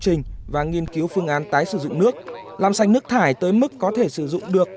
trình và nghiên cứu phương án tái sử dụng nước làm sạch nước thải tới mức có thể sử dụng được